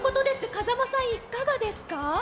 風間さん、いかがですか？